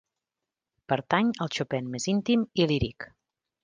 Pertany al Chopin més íntim i líric.